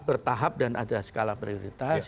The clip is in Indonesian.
bertahap dan ada skala prioritas